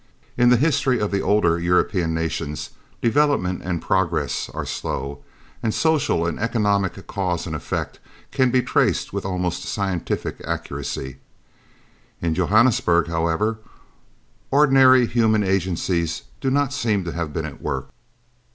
In the history of the older European nations development and progress are slow, and social and economic cause and effect can be traced with almost scientific accuracy. In Johannesburg, however, ordinary human agencies do not seem to have been at work.